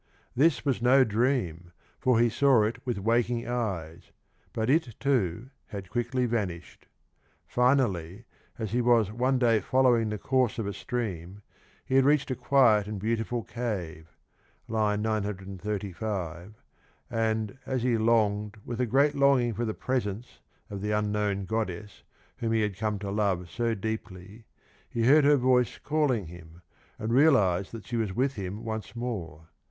This was no dream, for he saw it with waking eyes, but it, too, had quickly vanished. Finally, as he was one day following the course of a stream, he had reached a quiet and beautiful cave (935), and, as he longed with a great longing for the presence of the unknown goddess whom he had come to love so deeply, he heard her voice calling him, and realised that she was with him once more.